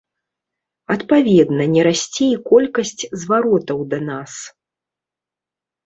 Адпаведна, не расце і колькасць зваротаў да нас.